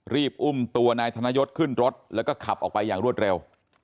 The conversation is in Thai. รีบอุ้มตัวนายธนยศขึ้นรถแล้วก็ขับออกไปอย่างรวดเร็ว